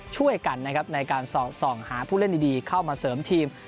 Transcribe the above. ช่วยกันนะครับในการสอดส่องหาผู้เล่นดีเข้ามาเสริมทีม